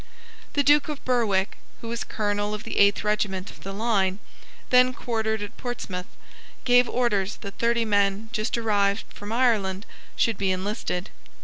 The Duke of Berwick, who was Colonel of the Eighth Regiment of the Line, then quartered at Portsmouth, gave orders that thirty men just arrived from Ireland should be enlisted.